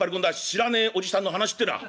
知らねえおじさんの話ってのは」。